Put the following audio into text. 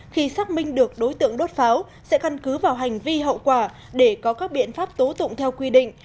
khi xác minh được đối tượng đốt pháo sẽ căn cứ vào hành vi hậu quả để có các biện pháp tố tụng theo quy định